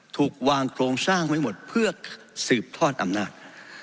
ถูกวางโครงสร้างไว้หมดเพื่อสืบทอดอำนาจ